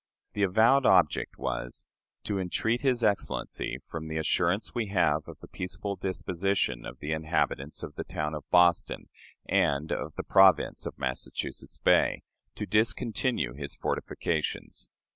The avowed object was "to entreat his Excellency, from the assurance we have of the peaceable disposition of the inhabitants of the town of Boston and of the Province of Massachusetts Bay, to discontinue his fortifications."